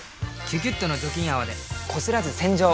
「キュキュット」の除菌泡でこすらず洗浄！